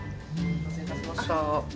お待たせいたしました。